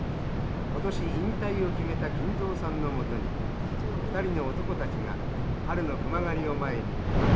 今年引退を決めた金蔵さんのもとに２人の男たちが春の熊狩りを前にマタギの技を教えてほしいと訪れました。